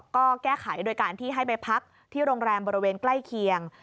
ก็แก้ไขโดยการที่ให้ไปพักที่โรงแรมบริเวณใกล้เคียง